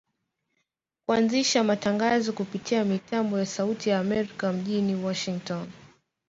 kuanzisha matangazo kupitia mitambo ya Sauti ya Amerika mjini Washington